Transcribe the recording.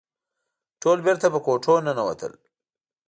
ټول بېرته په کوټو ننوتل.